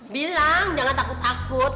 bilang jangan takut takut